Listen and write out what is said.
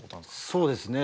そうですね。